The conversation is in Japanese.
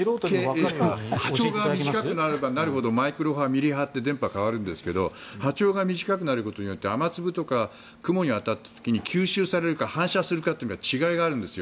波長が短くなればマイクロ波、ミリ波って変わるんですが波長が短くなることによって雨粒とか雲に当たることによって吸収されるか反射するかという違いがあるんですよ。